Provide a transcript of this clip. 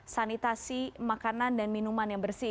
sanitasi makanan dan minuman yang bersih